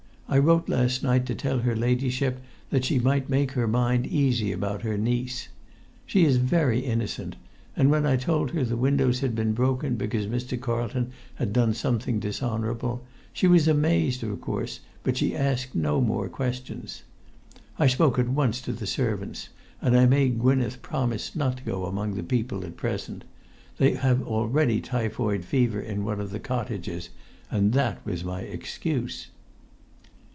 I wrote last night to tell her ladyship that she might make her mind easy about her niece. She is very innocent, and when I told her the windows had been broken because Mr. Carlton had done something dishonourable, she was amazed of course, but she asked no more questions. I spoke at once to the servants, and I made Gwynneth promise not to go among the people at present; they have already typhoid fever in one of the cottages, and that was my excuse."